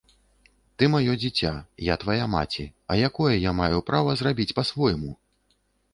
Ты маё дзіця, я твая маці, а якое я маю права зрабіць па-свойму?